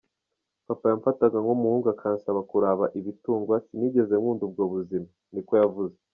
"Papa yamfata nk'umuhungu, akansaba kuraba ibitungwa, sinigeze nkunda ubwo buzima," niko yavuze.